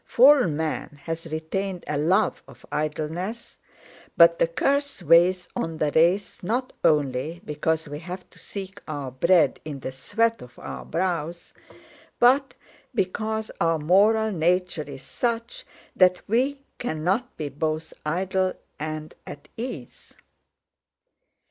Fallen man has retained a love of idleness, but the curse weighs on the race not only because we have to seek our bread in the sweat of our brows, but because our moral nature is such that we cannot be both idle and at ease.